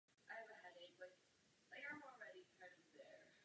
Nejprve je tedy třeba optimálně využít kapacitu, kterou máme nyní.